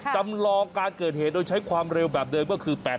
จำลองการเกิดเหตุโดยใช้ความเร็วแบบเดิมก็คือ๘๐